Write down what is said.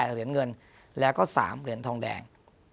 เหรียญเงินแล้วก็๓เหรียญทองแดง